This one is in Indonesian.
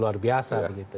luar biasa begitu